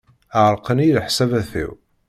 Ɛeṛṛqen-iyi leḥsabat-iw.